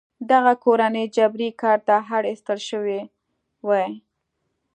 دغه کورنۍ جبري کار ته اړ ایستل شوې وې.